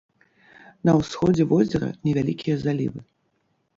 На ўсходзе возера невялікія залівы.